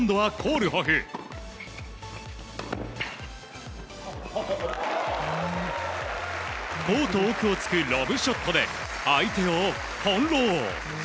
コート奥を突くロブショットで相手を翻弄。